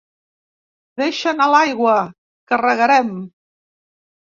Deixa anar l'aigua, que regarem.